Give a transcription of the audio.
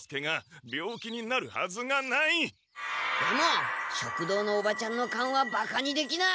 でも食堂のおばちゃんのカンはバカにできない。